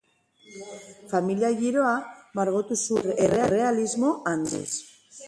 Familia-giroa margotu zuen, errealismo handiz.